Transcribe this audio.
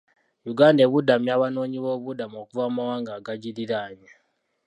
Uganda ebudamya abanoonyi b'obubudamu okuva mu mawanga agagiriraanye.